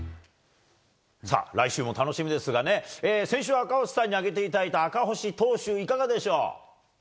来週も楽しみですが先週、赤星さんに挙げていただいた赤星投手いかがでしょう？